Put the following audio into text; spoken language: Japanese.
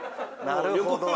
なるほど。